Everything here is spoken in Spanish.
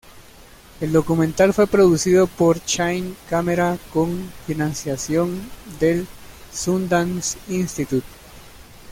El documental fue producido por Chain Camera con financiación del Sundance Institute.